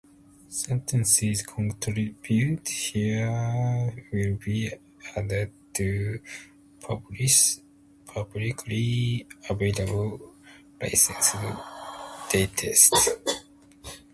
Sentences contributed here will be added to a publicly available licensed dataset.